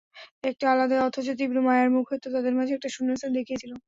একটা আলাদা অথচ তীব্র মায়ার মুখ হয়তো তাদের মাঝে একটা শূন্যস্থান দেখিয়েছিল।